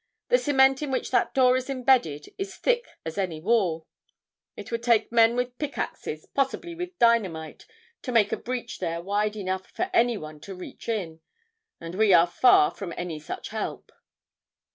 The cement in which that door is embedded is thick as any wall; it would take men with pickaxes, possibly with dynamite, to make a breach there wide enough for any one to reach in. And we are far from any such help."